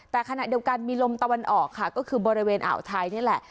แต่ขณะเดียวกันมีลมตะวันออกค่ะก็คือบริเวณอ่าวไทยนี่แหละ